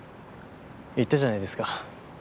言ったじゃないですか。